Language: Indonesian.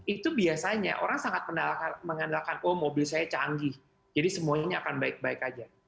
itu biasanya orang sangat mengandalkan oh mobil saya canggih jadi semuanya akan baik baik aja